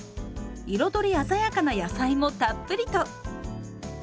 彩り鮮やかな野菜もたっぷりと。